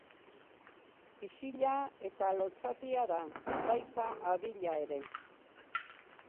Isila eta lotsatia da, baita abila ere.